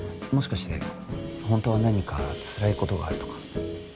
もしかして本当は何かつらい事があるとか？